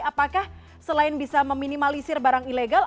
apakah selain bisa meminimalisir barang ilegal